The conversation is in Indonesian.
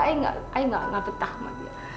ayu nggak ayu nggak betah sama dia